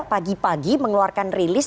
pagi pagi mengeluarkan rilis